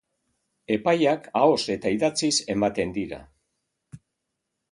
Epaiak ahoz eta idatziz ematen dira.